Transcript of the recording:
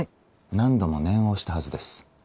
何度も念を押したはずです。